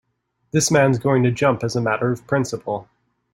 This man's going to jump as a matter of principle.